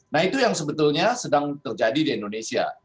nah itu yang sebetulnya sedang terjadi di indonesia